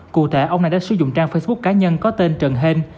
cụ thể ông này đã sử dụng trang facebook cá nhân có tên trần hen